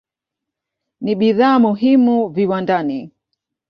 Ni bidhaa muhimu viwandani.